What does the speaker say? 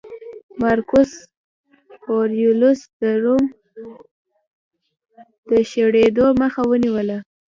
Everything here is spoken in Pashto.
مارکوس اورلیوس د روم د شړېدو مخه ونیوله